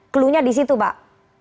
cluenya di situ pak